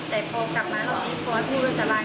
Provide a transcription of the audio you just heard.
แต่พอกลับมาตอนนี้พอพูดว่าสาบาน